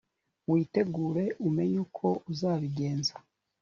witegure umenye uko uzabigenza .